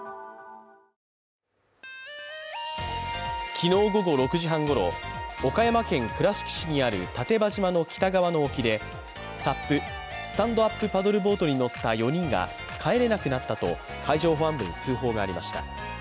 昨日午後６時半ごろ、岡山県倉敷市にある堅場島の北側の沖でＳＵＰ＝スタンドアップパドルボードに乗った４人が帰れなくなったと海上保安部に通報がありました。